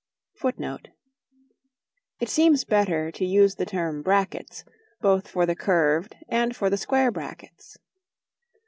[Footnote 1: It seems better to use the term "brackets" both for the curved and for the square brackets.